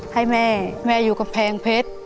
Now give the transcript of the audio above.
ให้แม่แม่อยู่กำแพงเพชร